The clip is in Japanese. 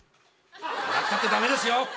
笑ったって駄目ですよ。